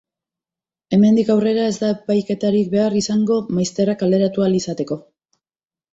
Hemendik aurrera, ez da epaiketarik behar izango maizterrak kaleratu ahal izateko.